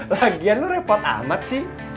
lagian lu repot amat sih